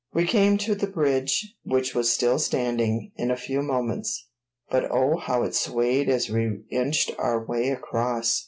We came to the bridge, which was still standing, in a few moments; but oh how it swayed as we inched our way across!